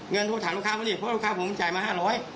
เงินโทรถามลูกค้าผมนี่เพราะลูกค้าผมมันจ่ายมา๕๐๐